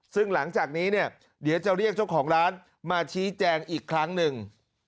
ซึ่งหลังจากนี้เนี่ยเดี๋ยวจะเรียกเจ้าของร้านมาชี้แจงอีกครั้งหนึ่ง